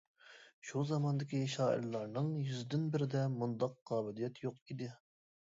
شۇ زاماندىكى شائىرلارنىڭ يۈزدىن بىرىدە مۇنداق قابىلىيەت يوق ئىدى.